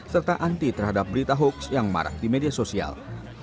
serta anti terhadap berita hoax yang marah di media sosial